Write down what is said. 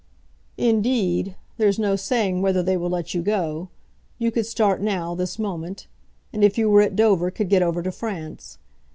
"Indeed, there's no saying whether they will let you go. You could start now, this moment; and if you were at Dover could get over to France.